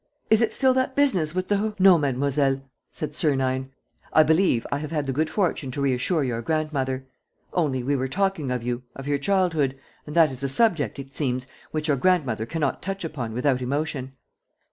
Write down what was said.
. Is it still that business with the ..." "No, mademoiselle," said Sernine, "I believe I have had the good fortune to reassure your grandmother. Only, we were talking of you, of your childhood; and that is a subject, it seems, which your grandmother cannot touch upon without emotion."